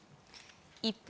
一方、